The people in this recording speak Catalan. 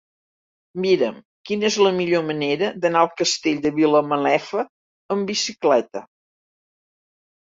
Mira'm quina és la millor manera d'anar al Castell de Vilamalefa amb bicicleta.